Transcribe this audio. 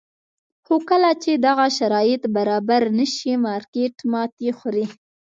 خو کله چې دغه شرایط برابر نه شي مارکېټ ماتې خوري.